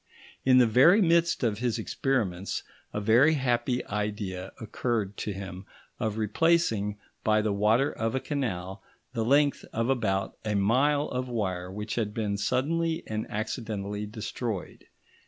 In the very midst of his experiments a very happy idea occurred to him of replacing by the water of a canal, the length of about a mile of wire which had been suddenly and accidentally destroyed.